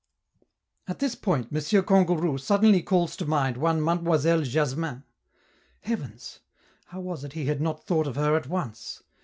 At this point M. Kangourou suddenly calls to mind one Mademoiselle Jasmin. Heavens! how was it he had not thought of her at once?